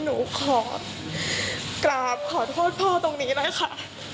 หนูขอกราบขอโทษพ่อตรงนี้เลยค่ะ